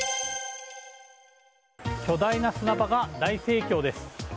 巨大な砂場が大盛況です。